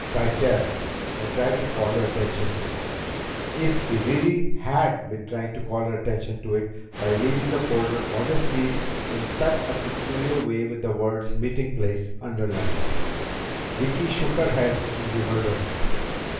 Tytell had tried to call her attention to! If he really had been trying to call her attention to it by leaving the folder on his seat in such a peculiar way with the words "meeting place" underlined! Vicki shook her head in bewilderment.